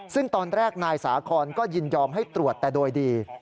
ซึ่งตอนแรกนายสาคอนก็ยินยอมให้ตรวจแต่โดยดี